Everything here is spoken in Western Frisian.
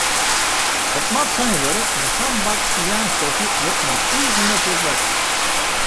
It moat sein wurde, mei sa'n bak moarnskofje wurdt men tige noflik wekker.